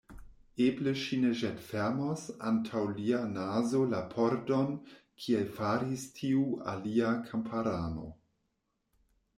Eble ŝi ne ĵetfermos antaŭ lia nazo la pordon, kiel faris tiu alia kamparano.